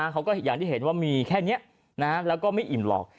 เขาก็อย่างที่เห็นว่ามีแค่นี้แล้วก็ไม่อิ่มหรอก